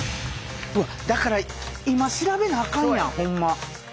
だから今調べなあかんやんホンマ。